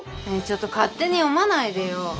ねえちょっと勝手に読まないでよ。